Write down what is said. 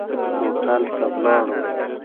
هوټل ته ولاړو.